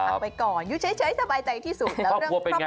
เอาไปก่อนอยู่เฉยสบายใจที่สุดแล้วเรื่องครอบครัว